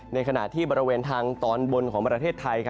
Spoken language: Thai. ในขณะที่บริเวณทางตอนบนของประเทศไทย